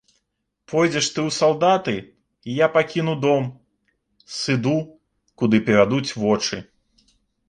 Пойдзеш ты ў салдаты, я пакіну дом, сыду, куды павядуць вочы.